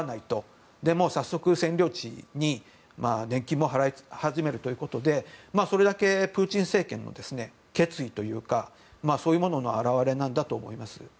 そして早速、占領地に年金も払い始めるということでそれだけプーチン政権の決意というかそういうものの表れだと思います。